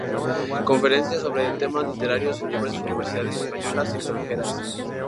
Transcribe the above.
Conferenciante sobre temas literarios en diversas universidades españolas y extranjeras.